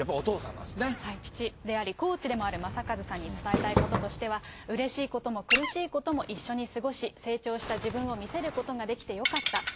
父でありコーチでもある正和さんに伝えたいこととしては、うれしいことも苦しいことも一緒に過ごし、成長した自分を見せることができてよかった。